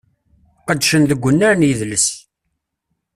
Qedcen deg unnar n yidles.